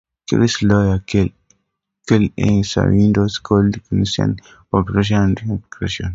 Curry's lawyer, Kelly A. Saindon, called Kuchinsky's claims "preposterous" and "extortion".